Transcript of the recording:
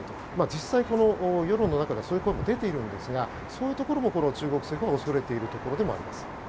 実際に世論の中ではそういう声が出ているんですがそういうところも中国政府が恐れているところでもあります。